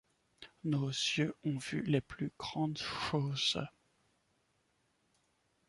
Nos yeux ont vu les plus grandes choses.